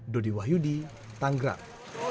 dodi wahyudi tanggraf